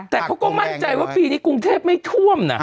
แต่เขาก็มั่นใจว่าปีนี้กรุงเทพไม่ท่วมนะ